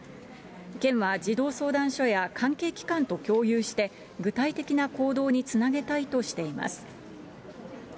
県は児童相談所や関係機関と共有して、具体的な行動につなげたいとしています。